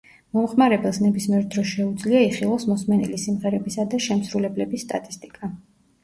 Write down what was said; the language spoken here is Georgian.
მომხმარებელს ნებისმიერ დროს შეუძლია, იხილოს მოსმენილი სიმღერებისა და შემსრულებლების სტატისტიკა.